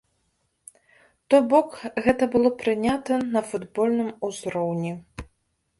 То бок гэта было прынята на футбольным узроўні.